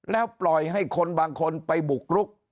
แล้วปล่อยให้คนบางคนไปบุกรุก